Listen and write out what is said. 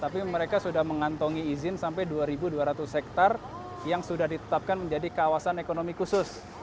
tapi mereka sudah mengantongi izin sampai dua dua ratus hektare yang sudah ditetapkan menjadi kawasan ekonomi khusus